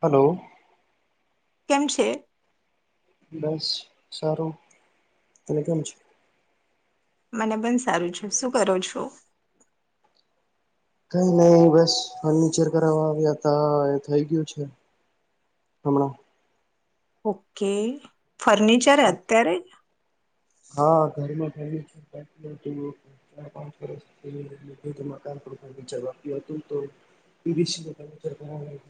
Hello. કેમ છે? બસ સારું. તને કેમ છે? મને પણ સારું છે. શું કરો છો? કંઈ નહી. બસ ફર્નિચર કરાવવા આવ્યા તો એ થઈ ગયું છે હમણાં ઓકે. ફર્નિચર અત્યારે? હા.. ઘરમાં ફેમિલી [inaudible] ચાર-પાંચ વર્ષથી ફર્નિચર બાકી હતું ને તો પીવીસીનુ ફર્નિચર કરાવડાવી લવ.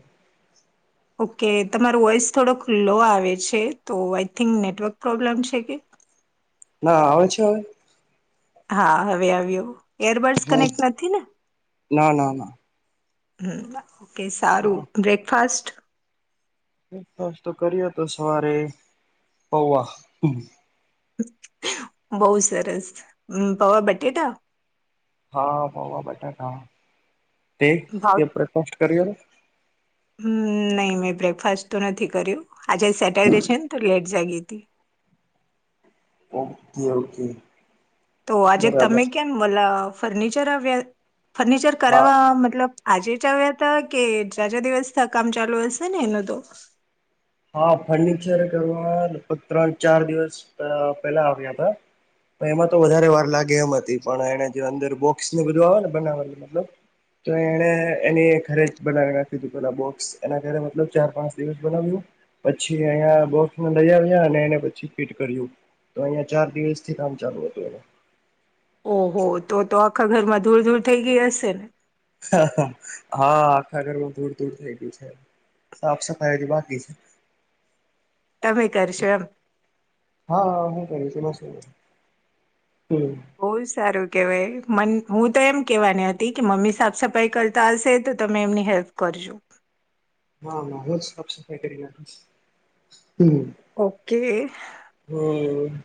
ઓકે. તમારું વોઇસ થોડોક લૉ આવે છે તો આઈ થિંક નેટવર્ક પ્રોબ્લેમ છે કે? ના આવે છે હવે? હા હવે આવ્યો. ઍરબડ્સ હમ કનેક્ટ નથી ને? ના ના ના હમ્મ ઓકે સારું. બ્રેકફાસાસ્ટ? બ્રેકફાસ્ટ તો કર્યો તો સવારે પૌવા. બહુ સરસ! પૌવા બટેટા? હા.. પૌવા બટેટા. તે બ્રેકફાસ્ટ કર્યો? હમ્મ, નહીં મેં બ્રેકફાસ્ટ તો નથી કર્યું. આજે સેટરડે છેને તો લેટ જાગી હતી. તી ઓકે ઓકે. તો આજે બરાબર તમે કેમ વલા, ફર્નિચર્યા ફર્નિચર હા કરાવવા મતલબ આજે જ આવ્યા તા, કે ઝાઝા દિવસ થ્યા કામ ચાલુ હશે ને એનું તો? હા, ફર્નિચર કરવા લગભગ ત્રણ ચાર દિવસ પ પેલા આવ્યા તા. તો એમાં તો વધારે વાર લાગે એમ હતી, પણ એણે જે અંદર બોક્સ ને બધું આવે ને બનાવાનું, મતલબ તો એણે એની ઘરે જ બનાવી નાખ્યું તું પેલા બોક્સ, એના ઘરે. મતલબ ચાર પાંચ દિવસ બનાવ્યું પછી અહીંયા બોક્સને લઈ આવ્યા, અને એને પછી ફીટ કર્યું. તો અહિયાં ચાર દિવસથી કામ ચાલુ હતું એનું. ઓહો, તો તો આખા ઘરમાં ધૂળ ધૂળ થઈ ગઈ હશે! હા, આખા ઘરમાં ધૂળ ધૂળ થઈ ગ્યું છે. સાફ સફાઈ હજી બાકી છે. તમે કરશો એમ હા હું કરીશ, એમાં શું? હમ બહુ જ સારું કેવાય. મન હું તો એમ કેવાની હતી, કે મમ્મી સાફ સફાઈ કરતા હશે તો તમે એમની હેલ્પ કર જો. હં હં, મેં જ સાફ સફાઈ કરી નાખી છે. હમ ઓકે હ.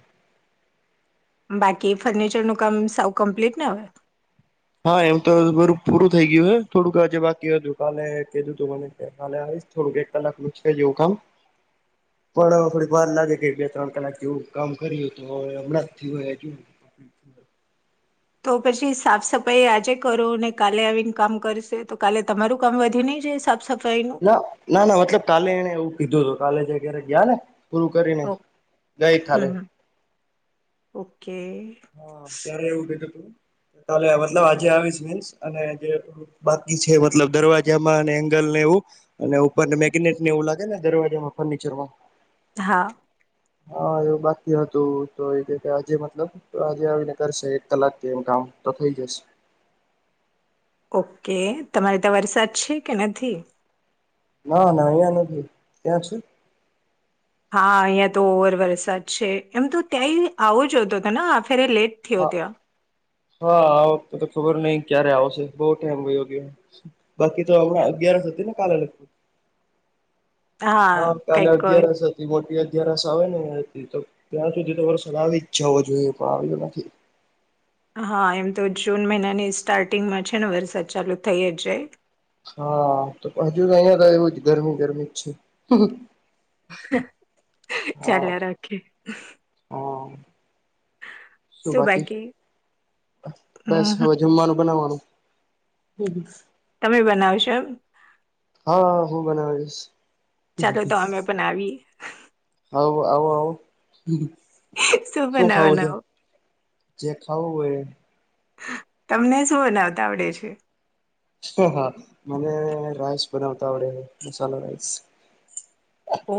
બાકી ફર્નિચરનું કામ સાવ કમ્પ્લીટ ને હવે? હા એમ તો બરું પૂરું થઈ ગયું છે. થોડુંક આજે બાકી હતું, કાલે કીધું તું મને કે કાલે આ વીશ, થોડુંક એક કલાકનું છે જ એવું કામ. પણ હ થોડી વાાર લાગી ગઈ, બે ત્રણ કલાક જેવું કામ કર્યું તો હમણાં જ થ્યું હજુ. [inaudible] તો પછી સાફ સફાઈ આજે કરો, ને કાલે આવીને કામ કરશે, તો કાલે તમારું કામ વધે નહીં? જે સબ સબ ના ના ના મતલબ કાલે એને એવું કીધું હતું કાલે એને ઘરે ગયા પૂરું કરીને ઓ ગઇ કાલે હમ ઓકે અમને એવું કીધું મતલબ આજે આવીશ શકીશ અને મતલબ જે બાકી છે મતલબ દરવાજામાં અને એંગલને અને ઉપરને મેગનેટને એવું લાગેને દરવાજામાં ફર્નિચરમાં હા. હા એવું બાકી હતું તો એ કે આજે મતલબ તો આજે આવીને કરશે એક કલાક એમ કામ તો થઈ જશે. ઓકે તમારે ત્યા વરસાદ છે કે નથી ના ના અહીંયા નથી ત્યાં છ હા અહિયાં તો ઓવર વરસાદ છે એમ તો ત્યાંય આવો જોતો હતો ફેરે લેટ થયો હા ત્યાં હા આવ તો ખબર નઈિ ક્યારે આવશે બહ ટાઈમયો ગયો બાકી તો હમણાં અગિયાર હતી ને હા કાલે અગિયારસથી મોટી અગારસ આવે ને તો ત્યાં સુધી તો વરસાદ આવી જ જવો જોઈએ પણ આવ્યો નથી હા એમ તો જૂન મહિનાની સ્ટાર્ટિંગમાં છે ને વરસાદ ચાલુ થઈ જ જાય હા તો હજુ અહં તો એવું જ ગરમી ગરમી જ છે ચાલ હા રાખે હા શું બાકી બસ હમ હવે જમવાનું બનાવાનું હમ તમે બનાવશો એમ હા હું બનાવીઈશ ચાલો તો અમે પણ આવીએ આવ આવો આવ શું ખાવું છે જે ખાવું હોય તમને શું બનાવતા આવડે છે હા મને રાઈસ બનાવતા આવડે છે મસાલ રાઈસ ઓ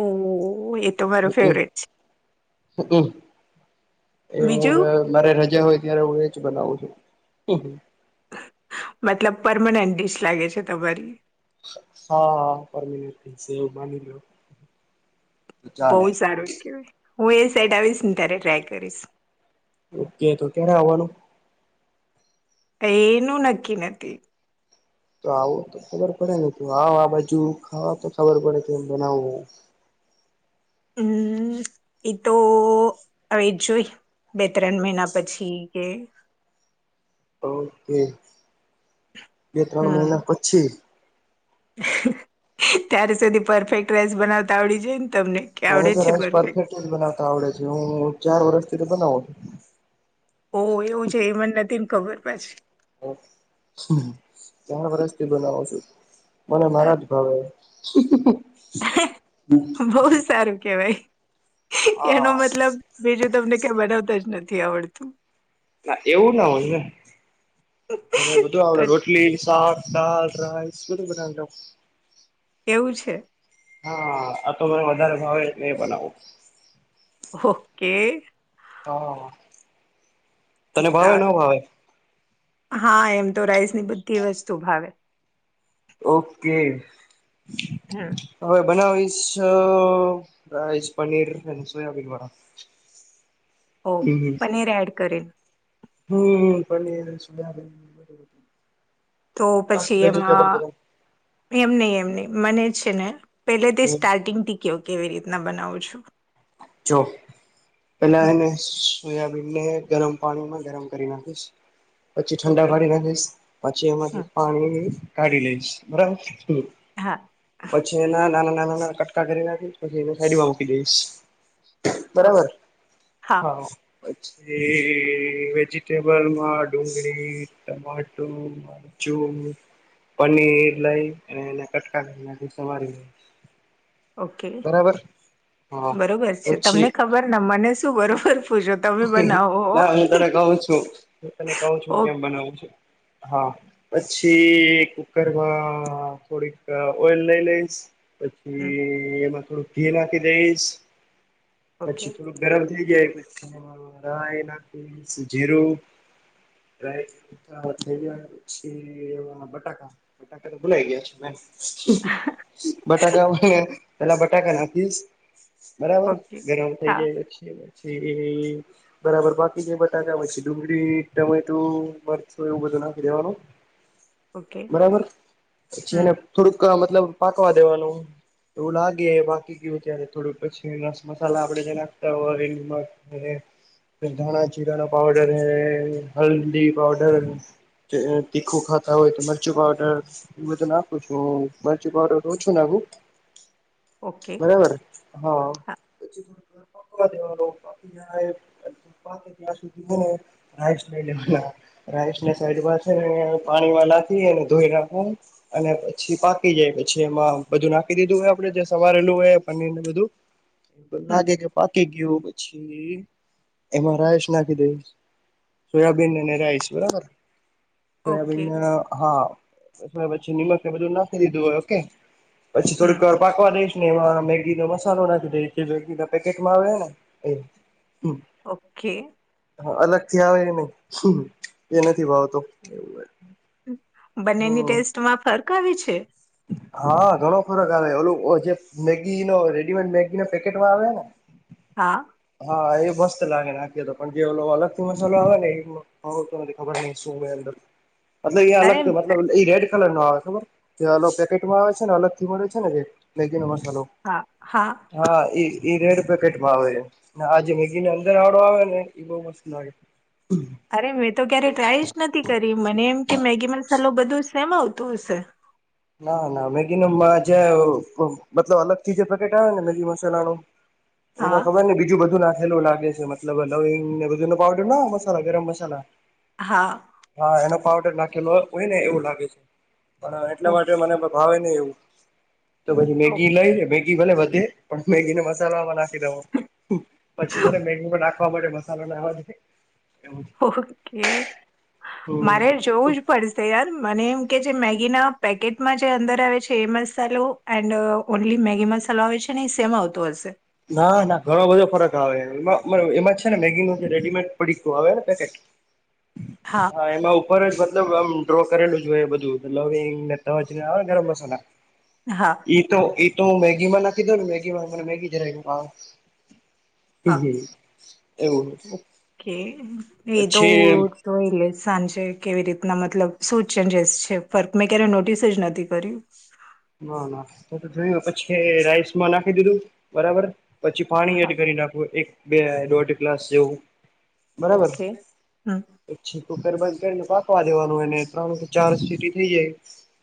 એ તો મારો હમ ફેવરેટ છે હમ એ હું બીજું મારે રજા હોય ત્યારે હું એજ બનાવું છું મતલબ પરમનન્ટ ડિશ લાગે છે તમારી હાા પરમીન છે એવું માની લો તો બહુ ચાલે સારું કેવાય હું એ સાઈડ આવીશ ને ત્યારે ટ્રાય કરીશ ઓકે તો કેને આવવાનું એનું નક્કી નથી તો આવો તો ખબર પડે ને ત આવ આ બાજુ ખાવા તો ખબર પડે કે બનાવું હમ એતો હવે જોઈ બે ત્રણ મહિના પછી કે ઓકે બે ત્રણ હમ મહિના પછી ત્યારે સુધી પરફેક્ટ રેસ બનાવતા આવડી જોઈ ને તમને કે મને આવડે જ તો છે રસ પરફેક્ટ જ બનાવતા આવડે છે હું ચાર વર્ષથી તો બનાવું ઓ એવું છે એ મને નથી ને ખબર પછી ચાર વર્ષથી બનાવો છું મને મારા જ ભાવે [unintelligible] બહ સારું કેવાય એનો હા મતલબ બીજું તમને કઈ બનાવતા જ નથી આવડતું ના એવું ના હોય ને અને બધું આપડે તો રોટલી શાક દાલ રાઈસ બધું બના લો એવું છે હા આ તો મને વધારે ભાવે નહી બનાવું ઓકે હા તને ભાવે ન સારું ભાવે હા એમ તો રાઈસ ની બધી વસ્તુ ભાવે ઓકે હમ હવે બનાવી સ અ રઈસ પનીર અને સોયા બી બરા ઓ પનીર એડ કરીન હમ્મ પનીર સુ [unintelligible] તો પછી એમાં એમ ની એમ નહી મને છે ને પેલે તે સ્ટાર્ટિંગથી કેયો કેવી રીતના બનાવું છું. જો પેલા હમ એને એમને ગરમ પાણીમાં ગરમ કરી નાખીશ. પછી ઠંડા ઓકે પાડી ના લઈશ પછી હમ એમાંથી પાણી કાઢી લઈશ. બરાબર? હા. પછી એના નાના નાના નાના કટકા કરી નાખી પછી એને થેલીમાં મૂકી દઈશ. બરાબર. ઓકે હા. પછી વેજિટેબલમાં ડુંગળી ટમાટું પનીર લઈ અને એને કટકા કરી સવારી લ ઓકે. બરોબર છે. તમને પછી ખબર ને મને શું બધું. ના હું તને કહું છું. હું તને ક છું કેમ ઓકે બનાવું છું. હા પછી કુકરમાં થોડીક ઓઈલ લઈ લઈશ, પછી એમાં થોડુંક ઘી નાખી દઈશ. ઓકે પછી થોડુંક ગરમ થઈ જાય પછી રાયીને જીરું થઈ ગયા પછી એમાં બટાકા બટાકા તો બોલાઈ ગયા છે મે બટાકા પેલા બટાકા નાખીશ. બરાબર? ઓકે ગરમ થઈ હા જાય પછી. એ બરાબર બાફીશ બટાકા પછી ડુંગળી ટમેટું મરથું એવું બધ ઓકે બરાબર પછી હમ એને થો મતલબ પાકવા દેવાનું. એવું લાગે બાકી ગયું ત્યારે થોડું પછી રસ મસાલા આપડે જે નાખતા હોય [inaudible] ધણાજીરાના પાાવડર હે હલ્દી પાાવડર એ તીખું ખાતા હોય તો મરચું પાવડર એ બધું નાખું છું હુ. મરચું પાવડર ઓછું નાખું ઓકે બરાબરને? હા પછીક દેવા પપી જ પપ્પા ત્યાં સુધીને રાઈસ લઈ લેવાના રાઈસને સાઇડમાં પાણીમાં નાખી ધોઈ નાખ અને પછી પાકી જાય પછી એમાં બધું નાખી દીધું હોય આપડ જે સવારેલું હોય પનીર ને બધું. એધું હમ લાગે કે પાાકી ગયું. પછી એમાં રાયસ નાખી દઈશ. સોયાબીન અને રાઈસ બરાબર? ઓકે સોયાબીન હા સ પછી નિમક એ બધું નાખી દીધું હોય ઓકે પછી હમ થોડીક વાર પાકવા દઈશ ને એમાં મેગીનો મસાલો નાખી દે મેગીના પેકેટમાં આવે ને [inaudible] ઓકે. આવડે નહી જે નથી ભાવતું. બંનેની ટેસ્ટમાં ફર્ક આવી છે. [inaudible] હા ઘણો ફરક આવે ઓલું જે મેગી ન રેડીમેડ મેગી ન પેકેટમાં આવે ને હા હા એ મસ્ત લાગે નાખીએ તો પણ જે લોકો અલગથી મસાલો આવે ને એ તો મને ખબર નહ શું હોય અર મતલબ એ અરે અલગ મતલબ એ રેડ કલર નો આવે ખબર જે પેકેટમાં આવે છે ને અલગ થી મળે છે ને જે લનેસ્ હલો હા ઈજ એ રેડ પેકેટમાં આવે છે આજે મેગી ને અંદર આવડો આવે ને એ બો મસ્ત લાગે અરે મેં તો ક્યારે ટ્રાય જ નથી કરી મને એમ કે મેગી મસાલો બધો સમે આવતું હશે ના ના મેગી નો જે મતલબ અલગથી જે પેકેટ આવે ને મેગી મસાલા નું હા એમાં ખબર ની બીજું બધું નાખી એવું લાગે છે મતલબ લવીગ ને બધુ પાવડર ના મસાલા ગરમ મસાલા હા હા એનો પાવડર નાખેલો હોય ને એવું લાગે છે ઓ એટલા માટે મનેાવે ને એવું તો પછી ઓ મેગી લાય મે. ભલે વધે પણ મેગી ને મસાલોમાં નાખી દેવો પછી ભલે મેગી નાખ. ખવા માટે મસાલો ના આવા. ઓકે હમ મારે જોવું જ પડશે યાર મને. કે જે મેગી ના પેકેટમાં જે અંદર આવે છે એ મસાલો એન્ડ ઓનલી મેગી મસાલો આવે છે. સેમ આવતોું હશે. ના ના ઘણો બધો ફરક આવેમાં એમાં છે ને મેગી ન જે રેડીમેડ પડીકું આવેને પેટ. હા એમાં ઉપર જ મતલબ આમ. ્રો કરેલુંવંગને તજ ગરમ મસાલા હા તો. તું મેગીમાં નાખી દઉ ને મેગીમાં મને મેગી જરા. હમ હા હ એવું. ઓકે એ તો પછી તો એ. સાંજે કેવી રીતના મતલબ શું ચેન્જસ છે ફ મેં ક્યારે નોટિસ જ નથી કર્યું. ના ના જોયું પછી રાઈસમાં નાખી દીધું બરાબર. પછી પાણી હા એડ કરી નાખું એક બે દોઢ ગ્લાસ જેવું. બરાબર ઓકે હમ. પછી કુકર બાદ કરીને પાકવા દેવાનું એને ત્રણ ચાર સીટી થઇ જાય.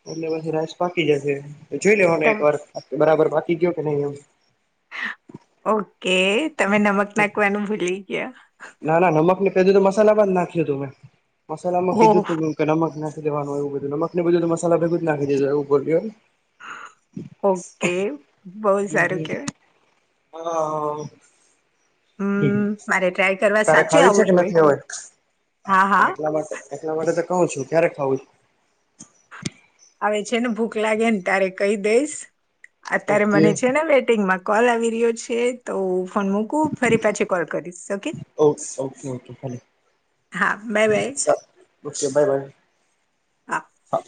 એટલે પછી રાસ પાકી જશે જોઈ લેવને એક તમ વાર બરાબર પાકી ગયો કે નહી એમ. ઓકે તમે નમક નાખવાનું ભૂલી ગયા. ના ના નમક ને કીધું તું મસાલામાં જ નાખ્યું તું મેં મસાલા માં ઓહ કીધું તું નમક નાખ. લેવાનુંય એવુ બધું નમકને બધું તો મસાલા ભેગું નાખી દેજો એવું બોલ્યો. ઓકે બહુ સારું ને. કેવાય. હા. હ હમ મારે ટ્રાય કરવા તારે સાચે ખાવી છે આવું કે જોઈએ નથી ખાવી. હા હા એટલા માટે એટલા માટે તો કહું છું ક્યારે ખાવું. આવે છે ને ભૂખ લાગે ને તારે કઈ દઈશ અત્યારે ઓકે મને છે ને બેટિંગમાં. કોલ આવી રહ્યો છે તો હુ ફોન મુકું ફરી પાછો કોલ કરીશ ઓકે. ઓકે ઓકે ભલે હા bye bye. Okay bye bye હા.